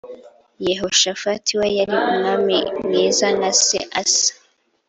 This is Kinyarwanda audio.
Yehoshafati we yari umwami mwiza nka se Asa